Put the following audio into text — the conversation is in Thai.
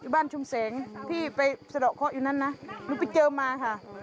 บ้านชุมแสงที่ไปสะดอกเคาะอยู่นั้นนะหนูไปเจอมาค่ะ